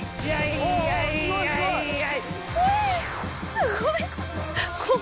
すごい！